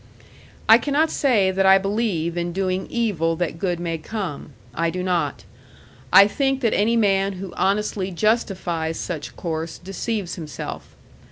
I cannot say that I believe in doing evil that good may come. I do not. I think that any man who honestly justifies such course deceives himself.